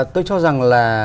tôi cho rằng là